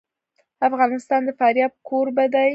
افغانستان د فاریاب کوربه دی.